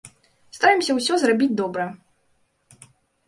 Стараемся ўсё зрабіць добра.